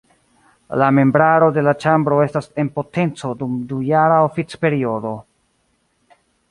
La membraro de la ĉambro estas en potenco dum dujara oficperiodo.